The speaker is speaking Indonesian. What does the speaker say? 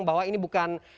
bahwa ini bukan